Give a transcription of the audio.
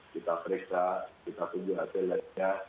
kita periksa kita tunggu hasilnya